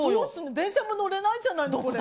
電車も乗れないじゃない、これじゃ。